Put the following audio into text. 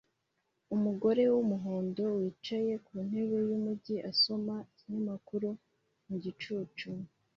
Umugore wumuhondo wicaye ku ntebe yumujyi asoma ikinyamakuru mu gicucu